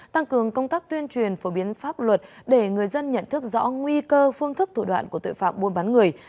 tăng cường công tác tuyên truyền phổ biến pháp luật để người dân nhận thức rõ nguy cơ phương thức thủ đoạn của tội phạm buôn bán người